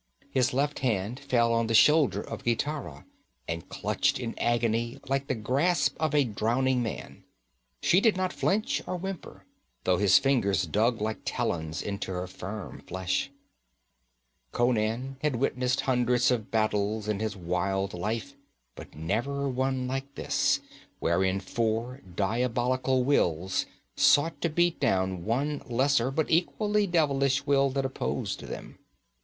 His left hand fell on the shoulder of Gitara and clutched in agony like the grasp of a drowning man. She did not flinch or whimper, though his fingers dug like talons into her firm flesh. Conan had witnessed hundreds of battles in his wild life, but never one like this, wherein four diabolical wills sought to beat down one lesser but equally devilish will that opposed them.